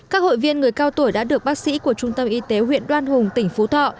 các hội viên người cao tuổi đã được bác sĩ của trung tâm y tế huyện đoan hùng tỉnh phú thọ